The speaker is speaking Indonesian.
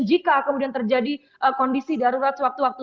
jika kemudian terjadi kondisi darurat sewaktu waktu